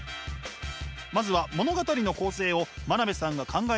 まずは物語の構成を真鍋さんが考えます。